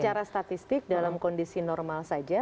secara statistik dalam kondisi normal saja